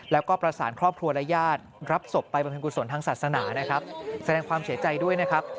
แล้วก็ประสานครอบครัวและญาติรับศพไปบรรพิกุศลทางศาสนานะครับแสดงความเสียใจด้วยนะครับ